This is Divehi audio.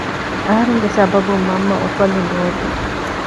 އަހަރެންގެ ސަބަބުން މަންމަ އުފަލުން ރޯތީ